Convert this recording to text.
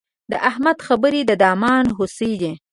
د احمد خبرې د دامان هوسۍ دي.